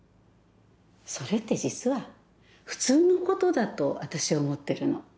それって実は普通のことだと私は思ってるの